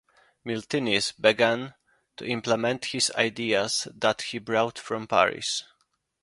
Miltinis began to implement his ideas that he brought from Paris.